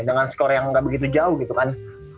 dengan skor yang nggak begitu jauh gitu kan